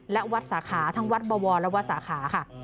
และวัดสาขาทั้งวัดบวรและวัดสาขาค่ะ